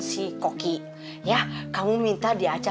sok dicari taunya